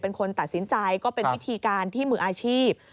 เป็นคนตัดสินใจก็เป็นวิธีการที่มืออาชีพ